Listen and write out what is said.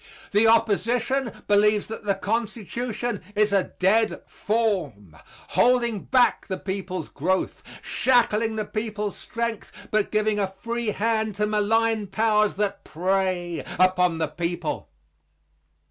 The opposition believes that the Constitution is a dead form, holding back the people's growth, shackling the people's strength but giving a free hand to malign powers that prey upon the people.